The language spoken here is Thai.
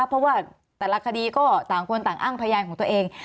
เพราะว่าแต่ละคดีก็ต่างคนต่างอ้างพยานของตัวเอง